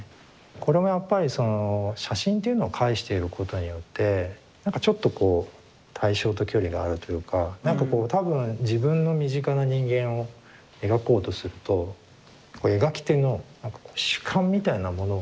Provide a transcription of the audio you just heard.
これもやっぱりその写真っていうのを介していることによって何かちょっとこう対象と距離があるというか何かこう多分自分の身近な人間を描こうとすると描き手の何かこう主観みたいなものを。